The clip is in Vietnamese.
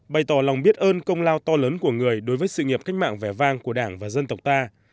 bày tỏ lòng biết ơn công lao to lớn của người đối với sự nghiệp cách mạng vẻ vang của đảng và dân tộc ta